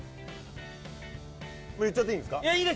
言っちゃっていいんですか？